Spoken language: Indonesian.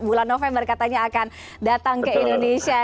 bulan november katanya akan datang ke indonesia